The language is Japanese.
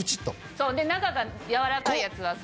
そう中が柔らかいやつはさ。